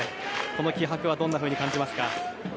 この気迫はどんなふうに感じますか。